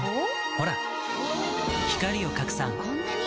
ほら光を拡散こんなに！